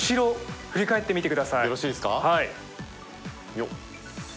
よっ。